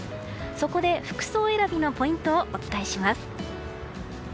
そこで服装選びのポイントをお伝えします。